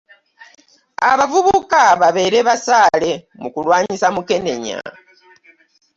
“Abavubuka babeere basaale mu kulwanyisa Mukenenya.”